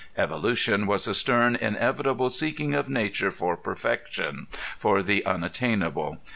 Evolution was a stern inevitable seeking of nature for perfection, for the unattainable.